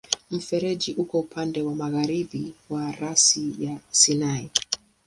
Mfereji uko upande wa magharibi wa rasi ya Sinai.